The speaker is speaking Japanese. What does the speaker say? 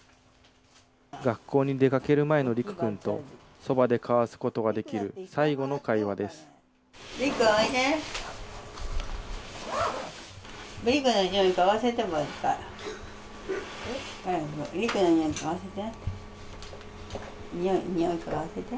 学校に出かける前の利久君と、そばで交わすことができる最後の会利久、おいで。